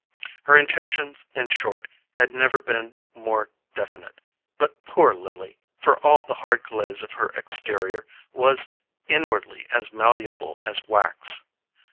Her intentions in short had never been more definite; but poor Lily, for all the hard glaze of her exterior, was inwardly as malleable as wax.